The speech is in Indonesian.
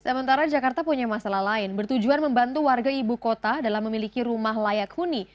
sementara jakarta punya masalah lain bertujuan membantu warga ibu kota dalam memiliki rumah layak huni